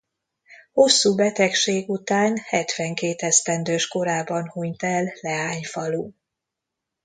Hosszú betegség után hetvenkét esztendős korában hunyt el Leányfalun.